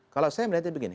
kalau saya melihatnya begini